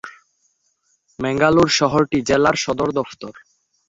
ম্যাঙ্গালোর শহরটি জেলার সদর দফতর।